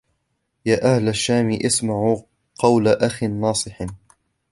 يَا أَهْلَ الشَّامِ اسْمَعُوا قَوْلَ أَخٍ نَاصِحٍ